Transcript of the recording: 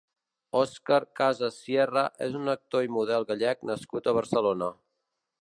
Óscar Casas Sierra és un actor i model gallec nascut a Barcelona.